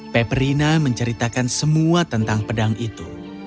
peperina menceritakan semua tentang pedang itu